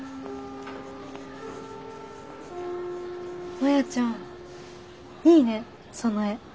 マヤちゃんいいねその絵。